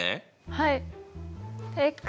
はい。